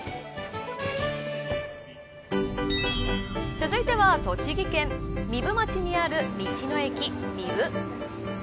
続いては栃木県壬生町にある道の駅みぶ。